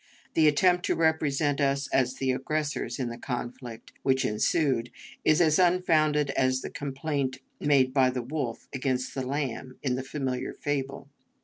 The attempt to represent us as the aggressors in the conflict which ensued is as unfounded as the complaint made by the wolf against the lamb in the familiar fable.